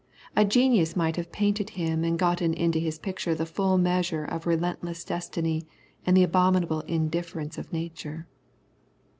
A genius might have painted him and gotten into his picture the full measure of relentless destiny and the abominable indifference of nature.